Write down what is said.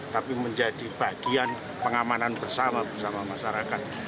tapi menjadi bagian pengamanan bersama bersama masyarakat